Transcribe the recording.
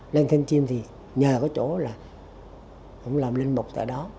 lên thanh chiêm thì nhờ cái chỗ là ông làm linh mục tại đó